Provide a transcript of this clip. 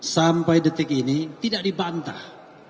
sampai detik ini tidak dibantah